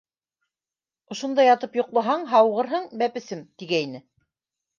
«Ошонда ятып йоҡлаһаң, һауығырһың, бәпесем!» - тигәйне.